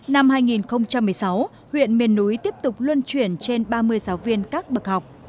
năm hai nghìn một mươi sáu huyện miền núi tiếp tục luân chuyển trên ba mươi giáo viên các bậc học